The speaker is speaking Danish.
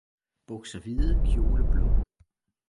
bukser hvide, kjole blå